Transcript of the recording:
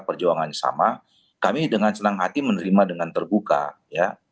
perjuangannya sama kami dengan senang hati menerima dengan terbuka ya